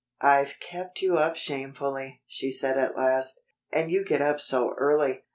"I've kept you up shamefully,'" she said at last, "and you get up so early.